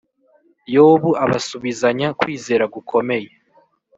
yobu abasubizanya kwizera gukomeye